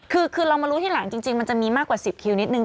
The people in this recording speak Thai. คือเรามารู้ทีหลังจริงมันจะมีมากกว่า๑๐คิวนิดนึ